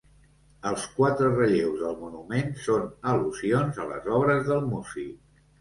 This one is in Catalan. Els quatre relleus del monument són al·lusions a les obres del músic.